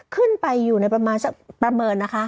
ขึ้นไปอยู่ในประมาณประเมินนะคะ